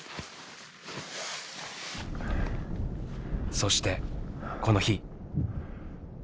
そしてこの日。